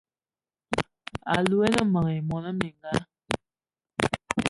Alou o ne meng mona mininga?